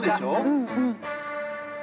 うんうん。